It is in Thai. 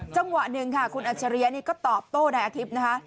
จังหวะหนึ่งค่ะคุณอัจฉริยะนี่ก็ตอบโต้นายอาทิตย์นะคะ